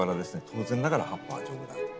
当然ながら葉っぱは丈夫だと。